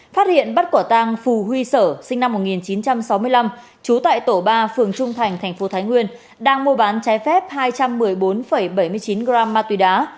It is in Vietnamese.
phát hiện bắt quả tang phù huy sở sinh năm một nghìn chín trăm sáu mươi năm trú tại tổ ba phường trung thành thành phố thái nguyên đang mua bán trái phép hai trăm một mươi bốn bảy mươi chín gram ma túy đá